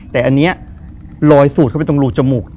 แต่อันนี้ลอยสูดเข้าไปตรงรูจมูก